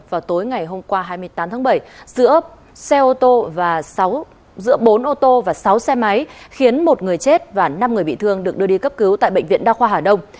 hôm nay hôm qua hai mươi tám tháng bảy giữa bốn ô tô và sáu xe máy khiến một người chết và năm người bị thương được đưa đi cấp cứu tại bệnh viện đa khoa hà đông